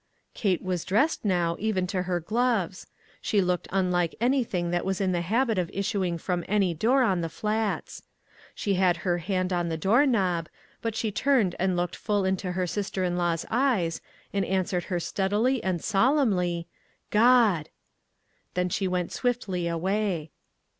Kate was dressed now, even to her gloves. She looked unlike anything that was in the habit of issuing from any door on the Flats. She had her hand on the door knob, but she turned and looked full into her sister in law's eyes, and answered her steadily and solemnly, " God !" 2O2 ONE COMMONPLACE DAY. Then she went swiftly away.